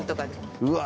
うわ。